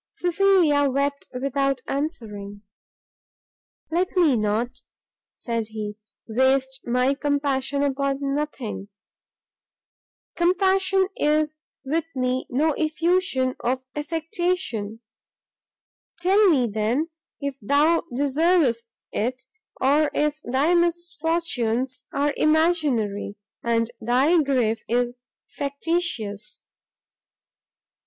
Cecilia wept without answering. "Let me not," said he, "waste my compassion upon nothing; compassion is with me no effusion of affectation; tell me, then, if thou deservest it, or if thy misfortunes are imaginary, and thy grief is factitious?"